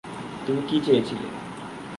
তুমি কী চেয়েছিলে?